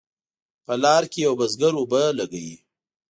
په لار کې یو بزګر اوبه لګوي.